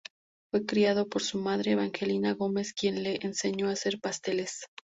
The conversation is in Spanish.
Fue criado por su madre, Evangelina Gómez, quien le enseñó a hacer pasteles.